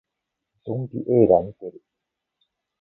ゾンビ映画見てる